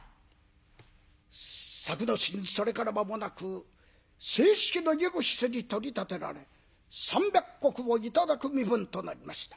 作之進それから間もなく正式な右筆に取り立てられ３００石を頂く身分となりました。